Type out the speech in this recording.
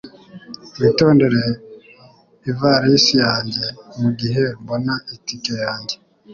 Witondere ivarisi yanjye mugihe mbona itike yanjye.